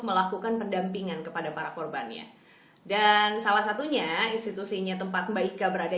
melakukan pendampingan kepada para korbannya dan salah satunya institusinya tempat mbak ika berada